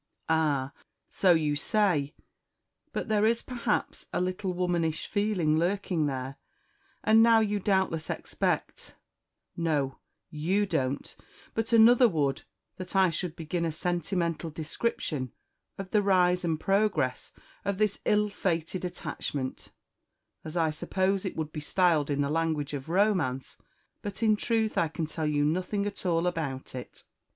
"Ah! so you say; but there is, perhaps, a little womanish feeling lurking there. And now you doubtless expect no, you don't, but another would that I should begin a sentimental description of the rise and progress of this ill fated attachment, as I suppose it would be styled in the language of romance; but in truth I can tell you nothing at all about it."